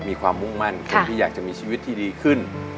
มีความมุ่งมั่นคนที่อยากจะมีชีวิตที่ดีขึ้น